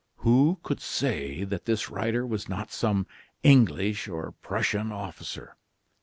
Who could say that this rider was not some English or Prussian officer?